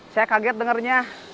saya kaget dengarnya